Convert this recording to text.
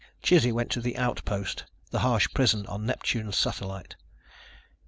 Chizzy went to the Outpost, the harsh prison on Neptune's satellite.